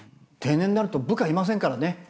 定年になると部下いませんからね。